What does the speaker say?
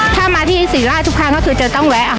ถ้ามาที่ศรีราชทุกครั้งก็คือจะต้องแวะ